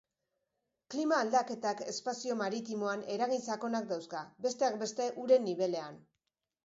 Klima aldaketak espazio maritimoan eragin sakonak dauzka, besteak beste uren nibelean.